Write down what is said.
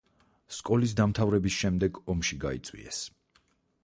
სკოლის დამთავრების შემდეგ ომში გაიწვიეს.